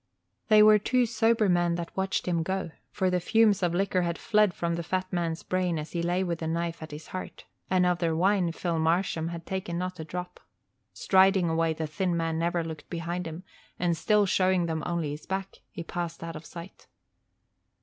They were two sober men that watched him go, for the fumes of liquor had fled from the fat man's brain as he lay with the knife at his heart, and of their wine Phil Marsham had taken not a drop. Striding away, the thin man never looked behind him; and still showing them only his back, he passed out of sight.